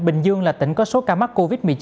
bình dương là tỉnh có số ca mắc covid một mươi chín